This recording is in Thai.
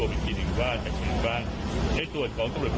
ที่จะทดเผยความเจริญ